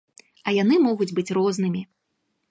А яны могуць быць рознымі.